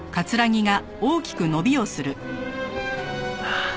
ああ。